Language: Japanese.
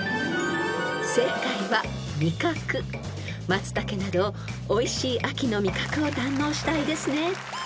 ［マツタケなどおいしい秋の味覚を堪能したいですね］